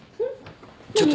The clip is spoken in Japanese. ちょっと。